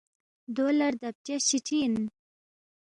دو لہ ردبچس چی چِہ اِن